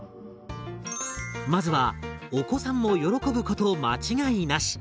まずはお子さんも喜ぶこと間違いなし！